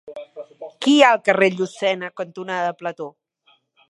Què hi ha al carrer Llucena cantonada Plató?